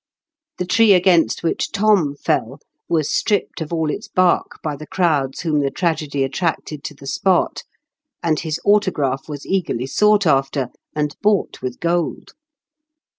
The tree against which Thom fell was stripped of all its bark by the crowds whom the tragedy attracted to the spot, and his autograph was eagerly sought after, and bought with gold.